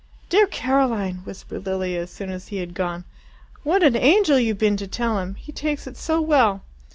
"Dear Caroline!" whispered Lilia as soon as he had gone. "What an angel you've been to tell him! He takes it so well.